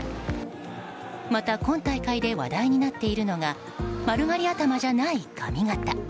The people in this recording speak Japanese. また、今大会で話題になっているのが丸刈り頭じゃない髪形。